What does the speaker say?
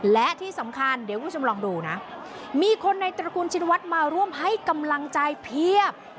และที่สำคัญเดี๋ยวคุณผู้ชมลองดูนะมีคนในตระกูลชินวัฒน์มาร่วมให้กำลังใจเพียบ